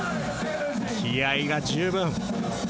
気合いが十分。